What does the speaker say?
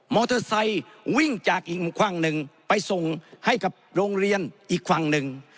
เตอร์ไซค์วิ่งจากอีกมุมหนึ่งไปส่งให้กับโรงเรียนอีกฝั่งหนึ่ง